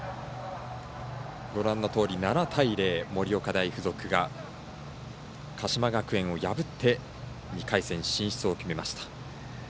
７対０、盛岡大付属が鹿島学園を破って２回戦進出を決めました。